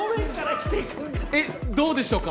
えっどうでしょうか？